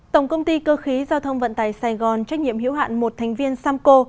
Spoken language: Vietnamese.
tổng công ty cơ khí giao thông vận tải sài gòn trách nhiệm hiểu hạn một thành viên samco